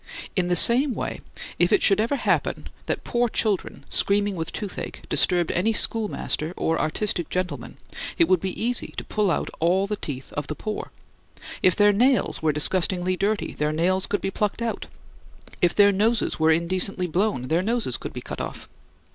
In the same way, if it should ever happen that poor children, screaming with toothache, disturbed any schoolmaster or artistic gentleman, it would be easy to pull out all the teeth of the poor; if their nails were disgustingly dirty, their nails could be plucked out; if their noses were indecently blown, their noses could be cut off.